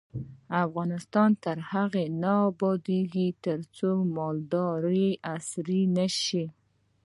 افغانستان تر هغو نه ابادیږي، ترڅو مالداري عصري نشي.